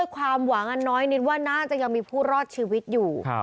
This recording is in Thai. ความหวังอันน้อยนิดว่าน่าจะยังมีผู้รอดชีวิตอยู่